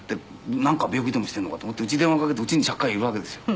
なんか病気でもしているのかと思って家へ電話かけると家にちゃっかりいるわけですよ。